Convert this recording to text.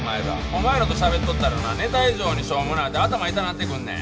お前らと喋っとったらなネタ以上にしょうもなあて頭痛なってくんねん。